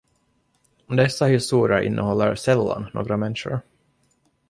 Dessa historier innehåller sällan några människor.